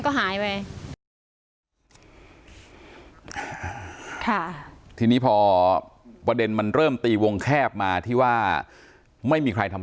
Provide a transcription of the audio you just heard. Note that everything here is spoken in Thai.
ก็หายไปค่ะทีนี้พอประเด็นมันเริ่มตีวงแคบมาที่ว่าไม่มีใครทำ